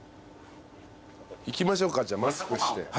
行きましょうかじゃあマスクして。